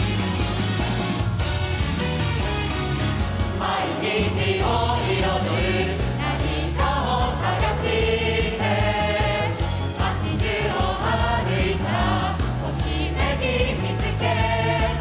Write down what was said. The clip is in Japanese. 「毎日を彩る何かを探して」「街中を歩いたらときめき見つけた」